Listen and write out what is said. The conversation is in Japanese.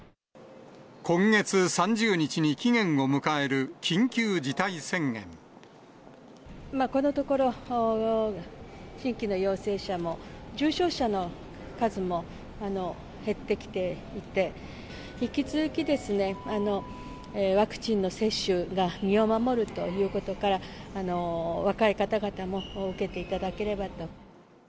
今月３０日に期限を迎える緊このところ、新規の陽性者も重症者の数も減ってきていて、引き続きですね、ワクチンの接種が身を守るということから、若い方々も受けていただければと。